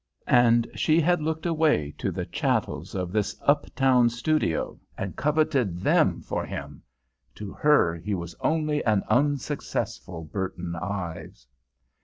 And she had looked away to the chattels of this uptown studio and coveted them for him! To her he was only an unsuccessful Burton Ives.